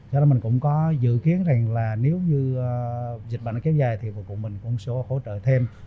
cho nên mình cũng có dự kiến rằng là nếu như dịch bệnh kéo dài thì mình cũng sẽ hỗ trợ thêm